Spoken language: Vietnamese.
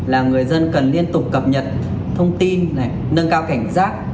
là người dân cần liên tục cập nhật thông tin nâng cao cảnh giác